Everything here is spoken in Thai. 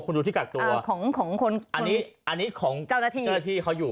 คุณดูที่กักตัวของของคนอันนี้อันนี้ของเจ้าหน้าที่เจ้าหน้าที่เขาอยู่